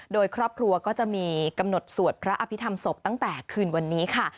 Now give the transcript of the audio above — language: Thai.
โดยครอบครัวก็จะมีกำหนดสวดพระอภิษฐรรมศพตั้งแต่คืนวันนี้ค่ะ